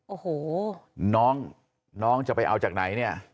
โอ้โหน้องน้องจะไปเอาจากไหนเนี่ย